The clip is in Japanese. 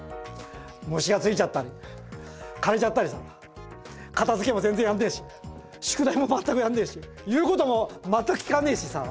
虫がついちゃったり枯れちゃったりさ片づけも全然やんねえし宿題も全くやんねえし言うことも全く聞かねえしさ。